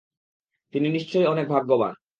তিনি নিশ্চয়ই অনেক ভাগ্যাবান।